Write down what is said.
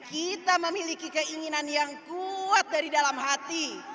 dan kita akan mencari keinginan yang kuat dari dalam hati